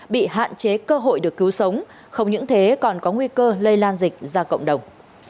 bị hạn chế cơ hội được cứu sống không những thế còn có nguy cơ lây lan dịch ra cộng đồng